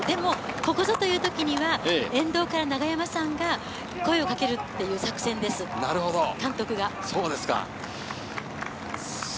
ここぞというときに沿道から永山さんが声をかけるということです。